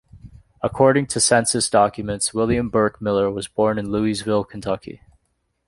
According to census documents, William Burke Miller was born in Louisville, Kentucky.